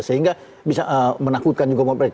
sehingga bisa menakutkan juga